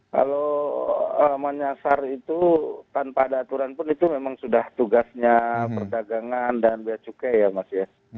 kalau menyasar itu tanpa ada aturan pun itu memang sudah tugasnya perdagangan dan biaya cukai ya mas ya